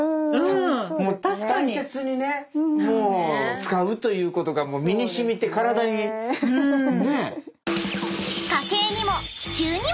大切に使うということが身に染みて体にねえ！